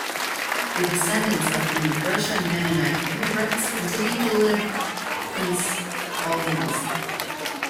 The descendants of the Russian Mennonite immigrants continue to live these colonies.